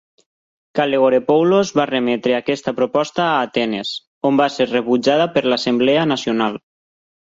Kalogeropoulos va remetre aquesta proposta a Atenes, on va ser rebutjada per l'Assemblea Nacional.